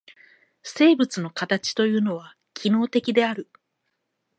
生物の形というのは機能的である。